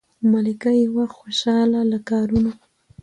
ملکه یې وه خوشاله له کارونو